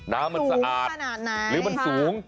น้ำมันสะอาดหรือมันสูง